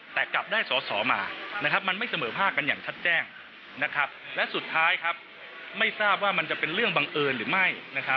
แต่กลับได้สอสอมามันไม่เสมอภาคกันอย่างชัดแจ้งและสุดท้ายไม่ทราบว่ามันจะเป็นเรื่องบังเอิญหรือไม่